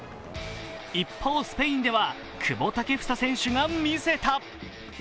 一方、スペインでは久保建英選手が見せた。